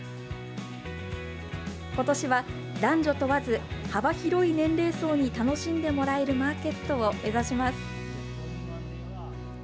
ことしは男女問わず、幅広い年齢層に楽しんでもらえるマーケットを目指します。